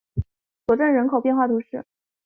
索镇人口变化图示